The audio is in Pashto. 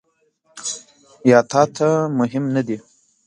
یا تا ته مهم نه دي ؟